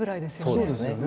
そうですよね。